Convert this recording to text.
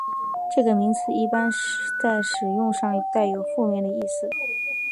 这个名词一般在使用上带有负面的意思。